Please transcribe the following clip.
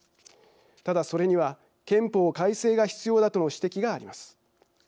ただそれには憲法改正が必要だとの指摘があります。